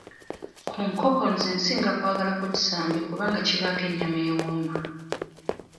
Ku nkoko nze nsinga kwagalako kisambi kubanga kibaako ennyama ewooma.